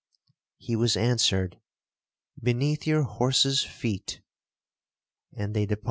He was answered, 'Beneath your horse's feet;'1 and they departed.